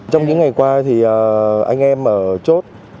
trong những ngày qua thì anh em ở chốt